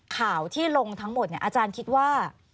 ข่าวที่ลงทั้งหมดอาจารย์คิดว่า